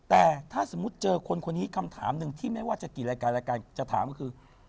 แต่ถ้าสมมุติเจอคนคนนี้คำถามหนึ่งที่ไม่ว่าจะกี่รายการรายการจะถามก็คือ